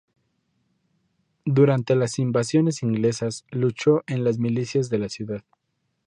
Durante las invasiones inglesas, luchó en las milicias de la ciudad.